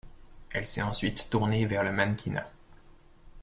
Elle s'est ensuite tournée vers le mannequinat.